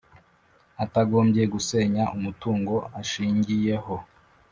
atagombye gusenya umutungo ashingiyeho.